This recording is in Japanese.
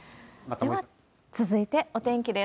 では続いて、お天気です。